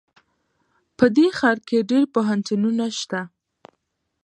په دې ښار کې ډېر پوهنتونونه شته